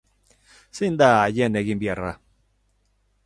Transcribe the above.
Zein da haien eginbeharra?